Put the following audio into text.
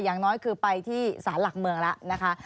อย่างน้อยคือไปที่สารหลักเมืองแล้วนะคะ